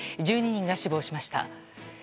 １２人が死亡しました。